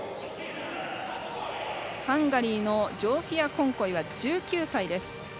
ハンガリーのジョーフィア・コンコイは１９歳です。